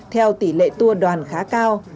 theo tỷ lệ tour đoàn khá cao